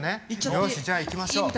よしじゃあ行きましょう。